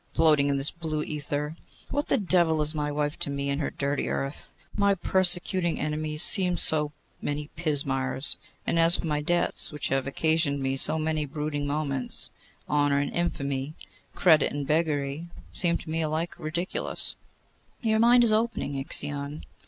Floating in this blue aether, what the devil is my wife to me, and her dirty Earth! My persecuting enemies seem so many pismires; and as for my debts, which have occasioned me so many brooding moments, honour and infamy, credit and beggary, seem to me alike ridiculous.' 'Your mind is opening, Ixion.